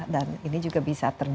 dan ini juga bisa terjadi